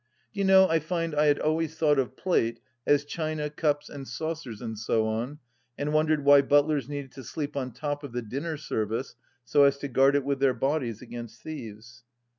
Do you know I find I had always thought of " plate " as china, cups and saucers, and so on, and wondered why butlers needed to sleep on top of the dinner service so as to guard it with their bodies against thieves.